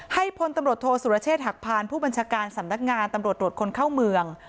พลตำรวจโทษสุรเชษฐหักพานผู้บัญชาการสำนักงานตำรวจตรวจคนเข้าเมือง